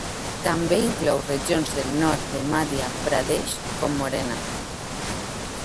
També inclou regions del nord de Madhya Pradesh com Morena.